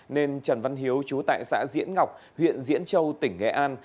nên trần văn hiếu chú tại xã diễn ngọc huyện diễn châu tỉnh nghệ an